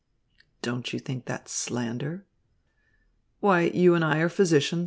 "Don't you think that's slander?" "Why, you and I are physicians.